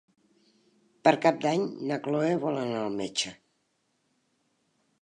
Per Cap d'Any na Chloé vol anar al metge.